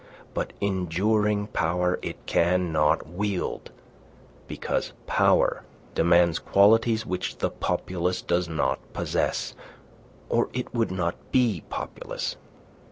But enduring power it cannot wield, because power demands qualities which the populace does not possess, or it would not be populace.